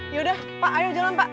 yaudah pak ayo jalan pak